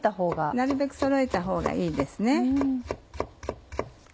なるべくそろえたほうがいいですね。